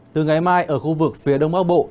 từ ngày mai ở khu vực phía đông bắc bộ